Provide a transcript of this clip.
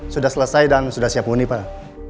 sudah selesai dan sudah siap huni pak